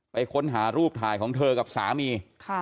ไปค้นหารูปถ่ายของเธอกับสามี